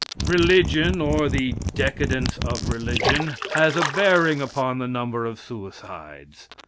Religion, or the decadence of religion, has a bearing upon the number of suicides.